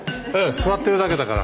座ってるだけだから。